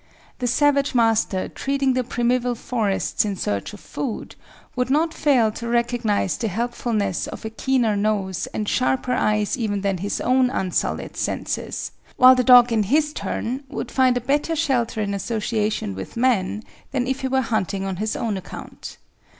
The savage master, treading the primeval forests in search of food, would not fail to recognise the helpfulness of a keener nose and sharper eyes even than his own unsullied senses, while the dog in his turn would find a better shelter in association with man than if he were hunting on his own account.